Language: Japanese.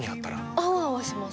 アワアワします